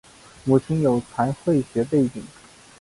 母亲有财会学背景。